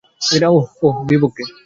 অহ, বোহ, নিম্নপক্ষে।